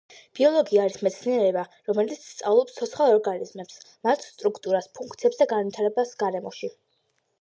ბიოლოგია არის მეცნიერება, რომელიც სწავლობს ცოცხალ ორგანიზმებს, მათ სტრუქტურას, ფუნქციებს და განვითარებას გარემოში.